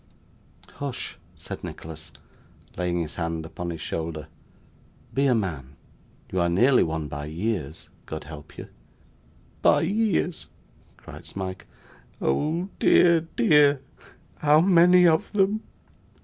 'Hush!' said Nicholas, laying his hand upon his shoulder. 'Be a man; you are nearly one by years, God help you.' 'By years!' cried Smike. 'Oh dear, dear, how many of them!